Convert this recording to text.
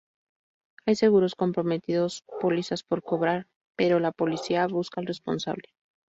Hay seguros comprometidos, pólizas por cobrar, pero la policía busca al responsable.